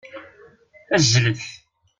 Azzlet.